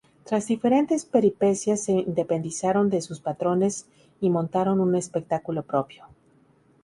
Tras diferentes peripecias se independizaron de sus patrones y montaron un espectáculo propio.